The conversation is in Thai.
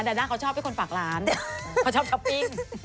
ด้าเขาชอบให้คนฝากร้านเขาชอบช้อปปิ้ง